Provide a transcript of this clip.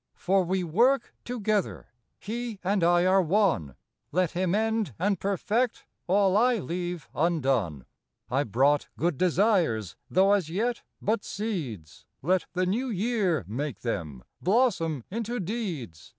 For we work together ; He and I are one : Let him end and perfect All I leave undone. I brought Good Desires, Though as yet but seeds; Let the New Year make them Blossom into Deeds.